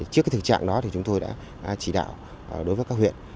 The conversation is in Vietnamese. trước thực trạng đó thì chúng tôi đã chỉ đạo đối với các huyện